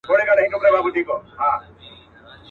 جهاني چي پکښي ستایي مرکې د شمله ورو.